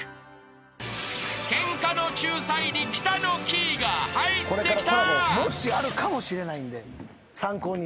［ケンカの仲裁に北乃きいが入ってきた］